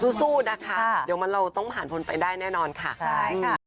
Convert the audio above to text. สู้นะคะเดี๋ยวเราต้องผ่านพ้นไปได้แน่นอนค่ะใช่ค่ะ